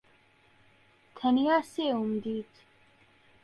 تەنیا سێوم دیت.